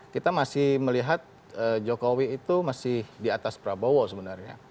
kita masih melihat jokowi itu masih di atas prabowo sebenarnya